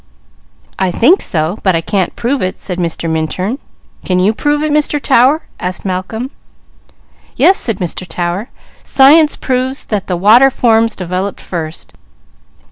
"I think so, but I can't prove it," said Mr. Minturn. "Can you prove it, Mr. Tower?" asked Malcolm. "Yes," said Mr. Tower, "science proves that the water forms developed first.